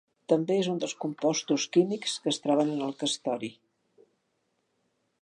També és un dels compostos químics que es troben en el castori.